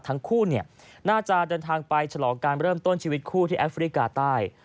ทั้งคู่น่าจะเดินทางไปฉลองการเริ่มต้นชีวิตคู่ที่แอฟริกาใต้